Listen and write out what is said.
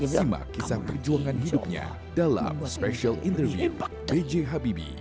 simak kisah perjuangan hidupnya dalam special interview bj habib